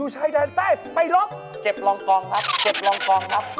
เฮ่ยไอ้น้องโอ้โฮ